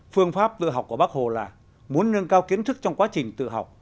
phương pháp tự học của bác hồ là muốn nâng cao kiến thức trong quá trình tự học